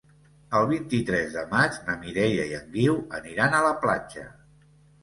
El vint-i-tres de maig na Mireia i en Guiu aniran a la platja.